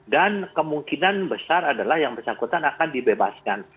kemungkinan besar adalah yang bersangkutan akan dibebaskan